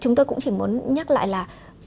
chúng tôi cũng chỉ muốn nhắc lại là